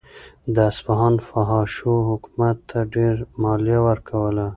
د اصفهان فاحشو حکومت ته ډېره مالیه ورکوله.